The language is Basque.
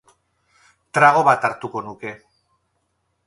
Trago bat hartuko nuke.